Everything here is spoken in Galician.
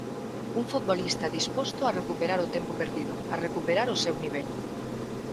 Un futbolista disposto a recuperar o tempo perdido, a recuperar o seu nivel.